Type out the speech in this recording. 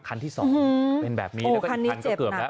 คันที่สองเป็นแบบนี้อีกคันก็เกือบแล้ว